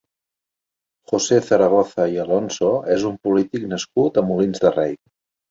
José Zaragoza i Alonso és un polític nascut a Molins de Rei.